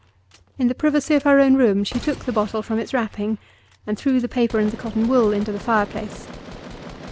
In the privacy of her own room, she took the bottle from its wrapping, and threw the paper and the cotton wool into the fire place.